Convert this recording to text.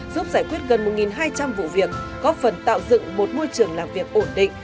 giúp giải quyết gần một hai trăm linh vụ việc góp phần tạo dựng một môi trường làm việc ổn định